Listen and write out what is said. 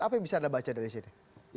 apa yang bisa anda baca dari sini